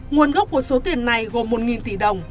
nguồn gốc của số tiền này gồm một tỷ đồng